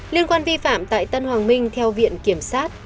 liên quan vi phạm tại tân hoàng minh theo viện kiểm sát